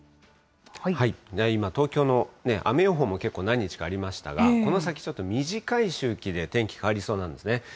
今、東京の雨予報も結構何日かありましたが、この先、ちょっと短い周期で天気変わりそうなんですね。